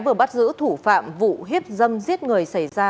vừa bắt giữ thủ phạm vụ hiếp dâm giết người xảy ra